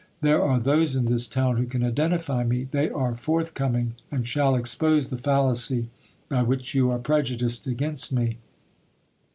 There are those in this town who can identify me : they are forth coming, and shall expose the fallacy by which you are prejudiced against me.